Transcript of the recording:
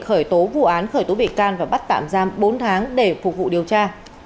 khởi tố vụ án khởi tố bị can và bắt tạm giam bốn tháng để phục vụ điều tra